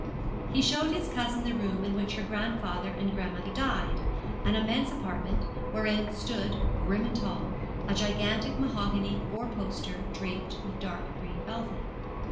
He showed his cousin the room in which her grandfather and grandmother died an immense apartment, wherein stood, grim and tall, a gigantic mahogany four poster, draped with dark green velvet.